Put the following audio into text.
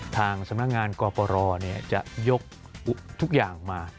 ทางสำนักงานกปรจะยกทุกอย่างมา